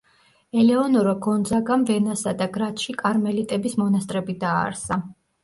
ელეონორა გონძაგამ ვენასა და გრაცში კარმელიტების მონასტრები დააარსა.